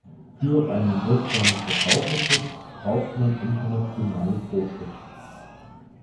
Für einen wirksamen Verbraucherschutz braucht man internationale Vorschriften.